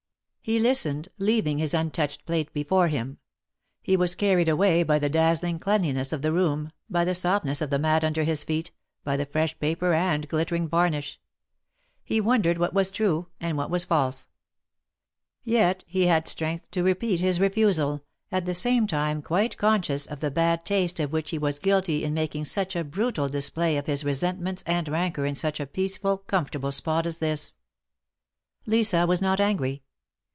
He listened, leaving his untouched plate before Iiim. He was carried away by the dazzling cleanliness of the room, by the softness of the mat under his feet, by the fresh paper and glittering varnish. He wondered what was true, and what was false. Yet he had strength to repeat his refusal, at the same time quite conscious of the bad taste of which he was guilty in making such a brutal display of his resent ments and rancor in such a peaceful, comfortable spot as this. THE MARKETS OF PARIS. 109 Lisa was not angry.